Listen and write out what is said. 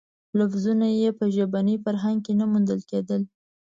لفظونه یې په ژبني فرهنګ کې نه موندل کېدل.